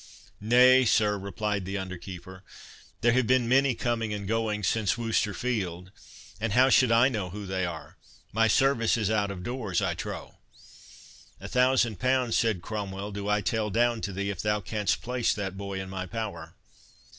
"Nay, sir," replied the under keeper, "there have been many coming and going since Worcester field; and how should I know who they are?—my service is out of doors, I trow." "A thousand pounds," said Cromwell, "do I tell down to thee, if thou canst place that boy in my power."